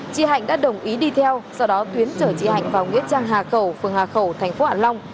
chị hạnh đã đồng ý đi theo sau đó tuyến chở chị hạnh vào nghĩa trang hà khẩu phường hà khẩu thành phố hạ long